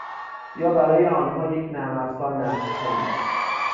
یا برای آنها یک نرم افزار نصب کنید.